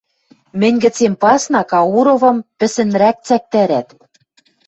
Мӹнь гӹцем пасна Кауровым пӹсӹнрӓк цӓктӓрӓт.